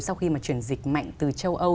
sau khi mà chuyển dịch mạnh từ châu âu